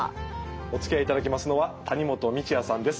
おつきあいいただきますのは谷本道哉さんです。